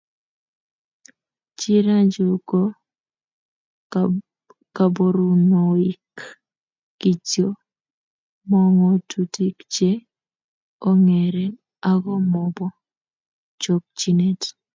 chirachu ko kaborunoik kityo, mo ng'otutik che ong'eren ako mobo chokchinet